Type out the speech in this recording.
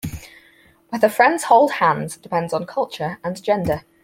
Whether friends hold hands depends on culture and gender.